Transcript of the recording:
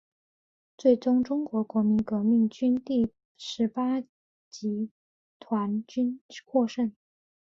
最终中国国民革命军第十八集团军获胜。